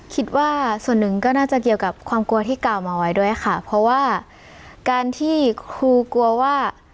คิดว่าส่วนหนึ่งก็น่าจะเกี่ยวกับความกลัวที่กล่าวมาไว้ด้วยค่ะเพราะว่าการที่ครูกลัวว่า